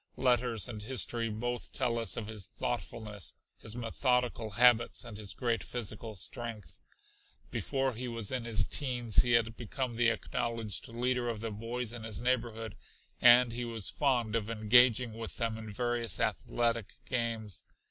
Letters and history both tell us of his thoughtfulness, his methodical habits and his great physical strength. Before he was in his teens he had become the acknowledged leader of the boys in his neighborhood, and he was fond of engaging with them in various athletic games.